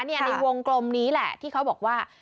ในวงกลมนี้แหละที่เขาบอกว่า